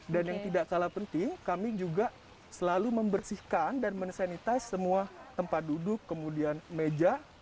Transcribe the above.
dan yang tidak salah penting kami juga selalu membersihkan dan men sanitize semua tempat duduk kemudian meja